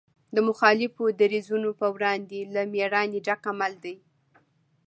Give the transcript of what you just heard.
د مخالفو دریځونو په وړاندې له مېړانې ډک عمل دی.